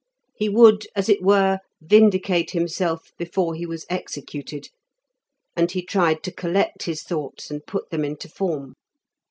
He would, as it were, vindicate himself before he was executed, and he tried to collect his thoughts and to put them into form.